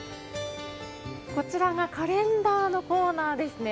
こちらがカレンダーのコーナーですね。